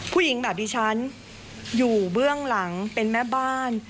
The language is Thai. ผู้หญิงแบบดิฉันอยู่เบื้องหลังเป็นแม่บ้าน